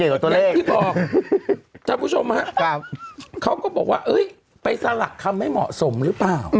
อย่างที่บอกท่านผู้ชมฮะเขาก็บอกว่าไปสลักคำไม่เหมาะสมหรือเปล่า